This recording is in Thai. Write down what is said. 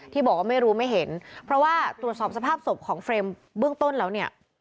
ที่บอกว่าไม่รู้ไม่เห็นเพราะว่าตรวจสอบสภาพศพของเฟรมเบื้องต้นแล้วเนี่ย